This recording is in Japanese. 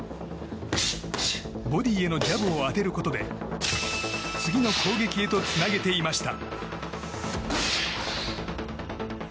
ボディーへのジャブを当てることで次の攻撃へとつなげていました。